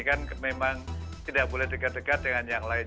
kan memang tidak boleh dekat dekat dengan yang lain